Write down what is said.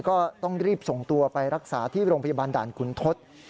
ก็ต้องรีบส่งตัวไปรักษาที่โรงพยาบาลด่านขุนทศ